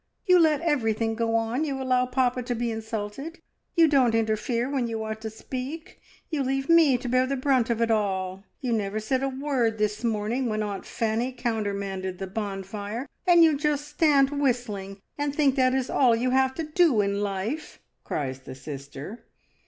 "You let everything go on; you allow papa to be insulted, you don't interfere when you ought to speak, you leave me to bear the brunt of it alL You never said a word this morning when Aunt BEACON FIKES. 1 33 Fanny countermanded the bonfire, and you just stand whistling, and think that is all you have to do in life," cries the sister.